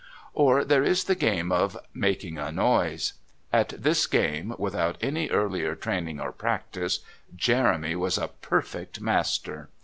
Or there is the game of Making a Noise. At this game, without any earlier training or practice, Jeremy was a perfect master.